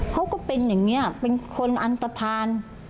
เขาก็เป็นอย่างนี้เป็นคนอรรตฐาน